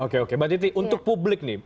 oke oke mbak titi untuk publik nih